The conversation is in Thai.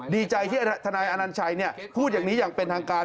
ดีใจที่ทนายอนัญชัยพูดอย่างนี้อย่างเป็นทางการ